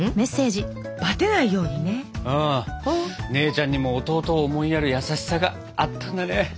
「バテないようにね！」。姉ちゃんにも弟を思いやる優しさがあったんだね。